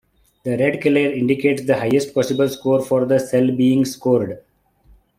The red color indicates the highest possible score for the cell being scored.